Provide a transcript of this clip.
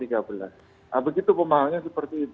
nah begitu pemahamannya seperti itu